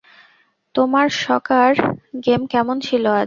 তোমার soccer game কেমন ছিল আজ?